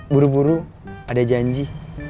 buru buru ada janji